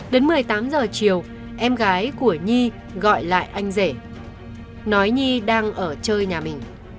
đến một mươi tám giờ chiều em gái của nhi gọi lại anh rể nói nhi đang ở chơi nhà mình